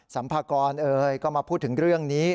สำมพากรมาพูดถึงเรื่องนี้